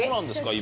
今。